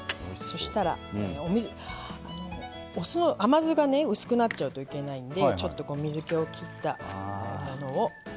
そしたら甘酢がね薄くなっちゃうといけないんでちょっと水けを切ったものを。